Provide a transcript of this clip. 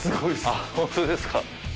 あっ本当ですか？